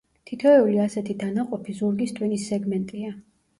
თითოეული ასეთ დანაყოფი ზურგის ტვინის სეგმენტია.